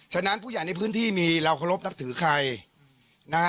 ฉะนั้นผู้ใหญ่ในพื้นที่มีเราเคารพนับถือใครนะฮะ